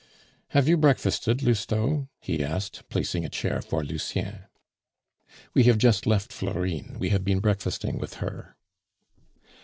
"Have you breakfasted, Lousteau?" he asked, placing a chair for Lucien. "We have just left Florine; we have been breakfasting with her."